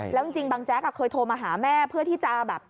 แล้วจริงบางแจ๊กเคยโทรมาหาแม่เพื่อที่จะแบบ